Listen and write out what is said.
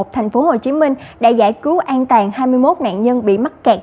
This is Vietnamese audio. thành phố hồ chí minh đã giải cứu an tàn hai mươi một nạn nhân bị mắc kẹt